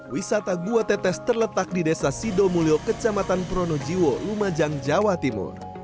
wisata gua tetes terletak di desa sidomulyo kecamatan pronojiwo lumajang jawa timur